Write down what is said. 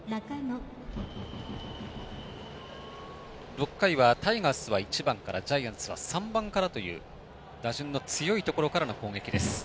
６回はタイガースは１番からジャイアンツは３番からという打順の強いところからの攻撃です。